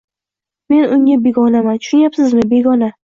Men unga begonaman, tushunyapsizmi, begona!..